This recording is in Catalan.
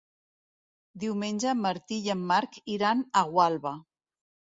Diumenge en Martí i en Marc iran a Gualba.